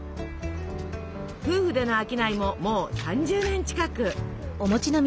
夫婦での商いももう３０年近く。